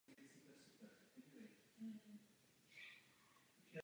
Následuje po čísle pět set sedmnáct a předchází číslu pět set devatenáct.